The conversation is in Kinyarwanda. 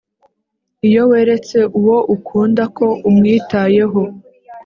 Iyo weretse uwo ukunda ko umwitayeho